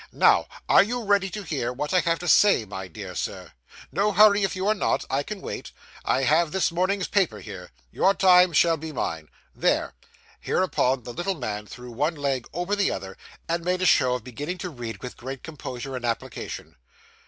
Now, are you ready to hear what I have to say, my dear Sir? No hurry; if you are not, I can wait. I have this morning's paper here. Your time shall be mine. There!' Hereupon, the little man threw one leg over the other, and made a show of beginning to read with great composure and application.